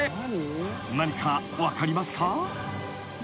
［何か分かりますか？］